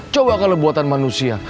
coba kalau buatan manusia